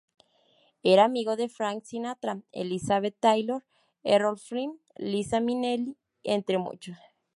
Era amigo de Frank Sinatra, Elizabeth Taylor, Errol Flynn, Liza Minnelli, entre muchos.